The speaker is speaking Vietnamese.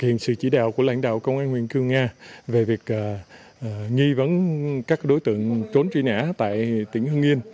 hiện sự chỉ đạo của lãnh đạo công an huyện cư nga về việc nghi vấn các đối tượng trốn truy nã tại tỉnh hưng yên